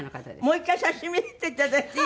もう１回写真見せていただいていい？